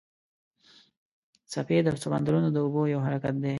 څپې د سمندرونو د اوبو یو حرکت دی.